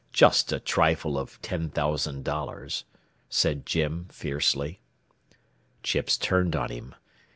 Just a trifle of ten thousand dollars," said Jim, fiercely. Chips turned on him.